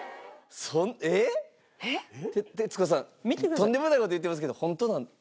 とんでもない事言ってますけどホントなんですか？